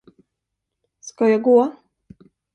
Ska jag gå?